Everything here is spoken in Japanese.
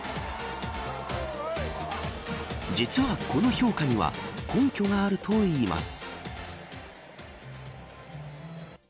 実は、この評価には根拠があるといいます。